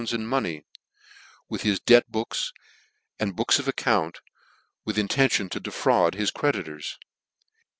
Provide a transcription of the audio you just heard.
in money, with his debt books, and books of accounts, with intention to defraud his creditois.